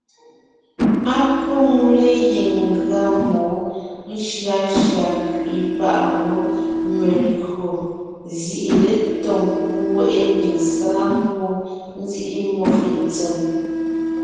Á pôŋ legiŋ ngʉa mmó shʉashʉa nkẅiʼi páʼ ngwɔ́ melÿo zîʼi letóŋ, ŋweʼe mbiŋ sáŋa mmó, nzíʼi mmó fʉʼ ntsèm.